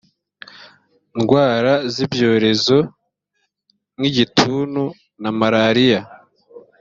ndwara zibyorezo nk igituntu na malaria